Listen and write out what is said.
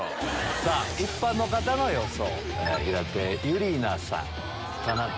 さぁ一般の方の予想。